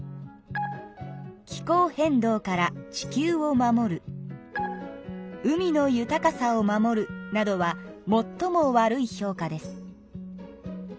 「気候変動から地球を守る」「海の豊かさを守る」などはもっとも悪い評価です。